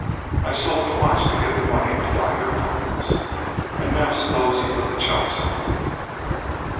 I sold the watch to get the money to buy your combs. And now suppose you put the chops on."